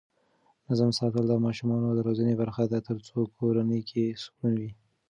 نظم ساتل د ماشومانو روزنې برخه ده ترڅو کورنۍ کې سکون وي.